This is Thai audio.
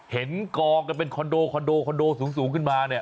กองกันเป็นคอนโดคอนโดคอนโดสูงขึ้นมาเนี่ย